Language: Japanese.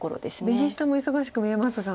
右下も忙しく見えますが。